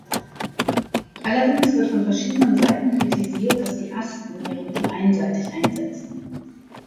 Allerdings wird von verschiedenen Seiten kritisiert, dass die Asten ihre Mittel einseitig einsetzen.